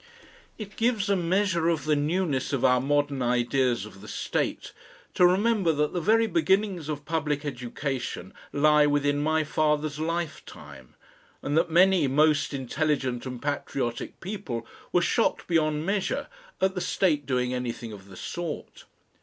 It gives a measure of the newness of our modern ideas of the State to remember that the very beginnings of public education lie within my father's lifetime, and that many most intelligent and patriotic people were shocked beyond measure at the State doing anything of the sort.